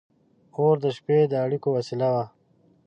• اور د شپې د اړیکو وسیله وه.